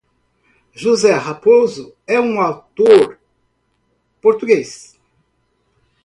José Raposo é um ator português.